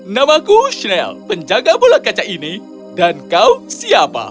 namaku shell penjaga bola kaca ini dan kau siapa